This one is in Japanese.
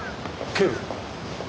警部。